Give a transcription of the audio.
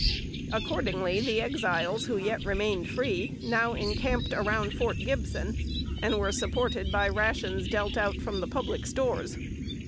Accordingly the Exiles, who yet remained free, now encamped around Fort Gibson, and were supported by rations dealt out from the public stores.